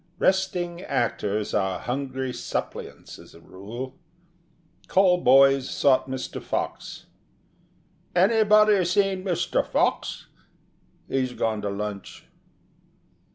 Resting actors are hungry suppliants as a rule. Call boys sought Mr. Fox. "Anybody seen Mr. Fox? He's gone to lunch."